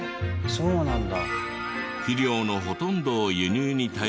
そうなんだ。